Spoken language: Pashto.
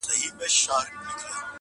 هم قاري سو هم یې ټول قرآن په یاد کړ؛